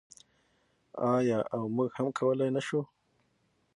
آیا او موږ هم کولی نشو؟